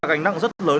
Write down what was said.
cảnh năng rất lớn